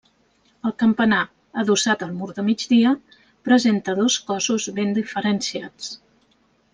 El campanar, adossat al mur de migdia, presenta dos cossos ben diferenciats.